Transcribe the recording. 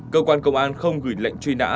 cơ quan công an không gửi lệnh truy nã